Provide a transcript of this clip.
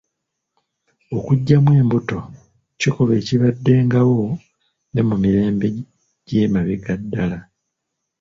Okuggyamu embuto kikolwa ekibaddengawo ne mu mirembe gy'emabega ddala